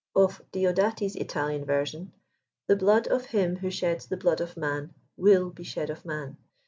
Of I )io4ati's Italian version, " The blood of him who sheds the blood of man, will be shed of man."